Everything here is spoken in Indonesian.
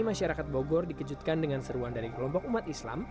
masyarakat bogor dikejutkan dengan seruan dari kelompok umat islam